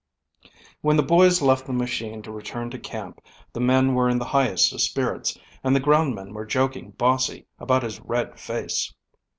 WHEN the boys left the machine to return to camp the men were in the highest of spirits and the ground men were joking Bossie about his red face.